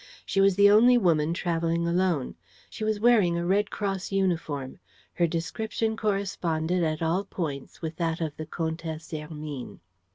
She was the only woman traveling alone. She was wearing a Red Cross uniform. Her description corresponded at all points with that of the Comtesse Hermine.